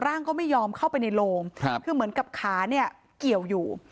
ร่างก็ไม่ยอมเข้าไปในโลงเพราะเหมือนกับขาเกี่ยวอยู่